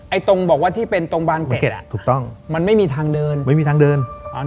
ไอ้ตรงบอกว่าที่เป็นตรงบานเก็ดมันไม่มีทางเดิน